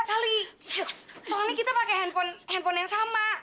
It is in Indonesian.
soalnya kita pakai handphone yang sama